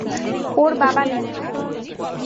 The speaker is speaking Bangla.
ওর বাবা নেই।